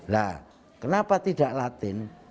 nah kenapa tidak latin